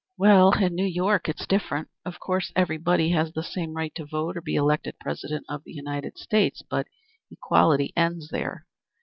"Well, in New York it's different. Of course, every body has the same right to vote or to be elected President of the United States, but equality ends there.